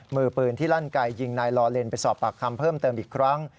มือปืนที่ลั่นไกยิงนายลอเลนไปสอบปากคำเพิ่มเติมอีกครั้ง